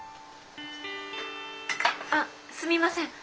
あすみません。